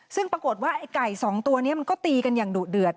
ซึ่งปรากฏว่าไอ้ไก่สองตัวนี้มันก็ตีกันอย่างดุเดือด